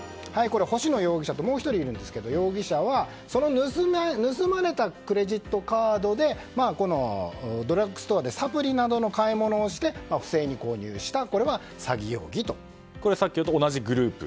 星野容疑者ともう１人いるんですけど容疑者はその盗まれたクレジットカードでドラッグストアでサプリなどの買い物をして不正に購入したこれは先ほどと同じグループ？